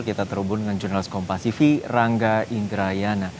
kita terhubung dengan jurnalist kompasivi rangga inggraiana